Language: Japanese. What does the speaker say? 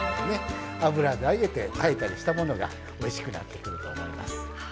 油で揚げて炊いたりしたものがおいしくなってくると思います。